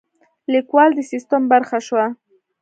لیکوال د سیستم برخه شوه.